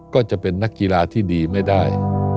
ก็จะเป็นนักกีฬาที่ดีไม่ได้